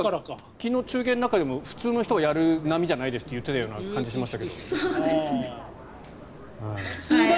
昨日、中継の中では普通の人がやる波じゃないですって言っていたような感じでしたが。